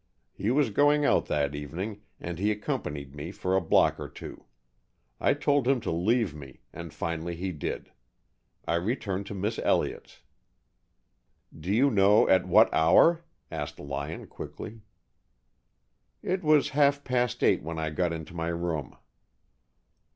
He was going out that evening, and he accompanied me for a block or two. I told him to leave me, and finally he did. I returned to Miss Elliott's, " "Do you know at what hour?" asked Lyon, quickly. "It was half past eight when I got into my room."